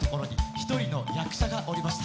「１人の役者がおりました」